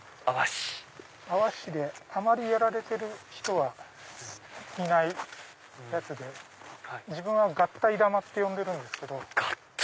泡師であまりやられてる人はいないやつで自分は合体玉って呼んでるんですけど。